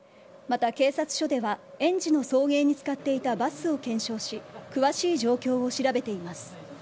また、警察署では園児の送迎に使っていたバスを検証し、詳しい状況を調べています。